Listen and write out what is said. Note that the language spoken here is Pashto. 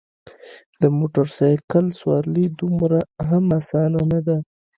د موټرسایکل سوارلي دومره هم اسانه نده.